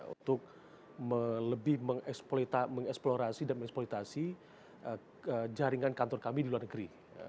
untuk lebih mengeksplorasi dan mengeksploitasi jaringan kantor kami di luar negeri